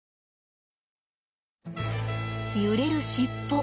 揺れる尻尾。